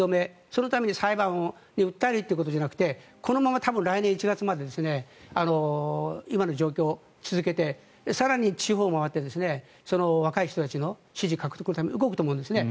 そのために裁判で訴えるということじゃなくてこのままたぶん来年１月まで今の状況を続けて更に、地方を回って若い人たちの支持獲得のために動くと思うんですね。